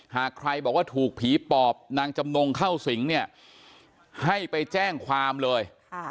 หากใครบอกว่าถูกผีปอบนางจำนงเข้าสิงเนี่ยให้ไปแจ้งความเลย